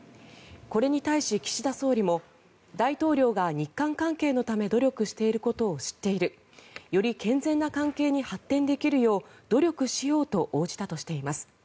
これに対し岸田総理も大統領が日韓関係のために努力していることを知っているより健全な関係に発展できるよう努力しようと応じたとしています。